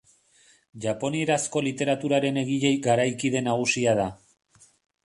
Japonierazko literaturaren egile garaikide nagusia da.